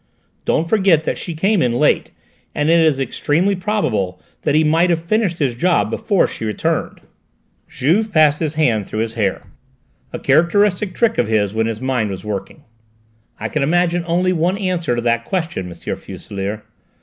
Don't forget that she came in late, and it is extremely probable that he might have finished his job before she returned." Juve passed his hand through his hair, a characteristic trick when his mind was working. "I can imagine only one answer to that question, M. Fuselier.